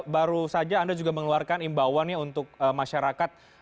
baru saja anda juga mengeluarkan imbauannya untuk masyarakat